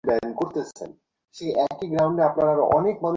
তবে তাঁর স্ত্রীকে আটক করে তাঁর মাধ্যমে সেলিমের সঙ্গে যোগাযোগ করা হয়।